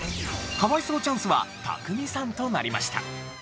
可哀想チャンスはたくみさんとなりました。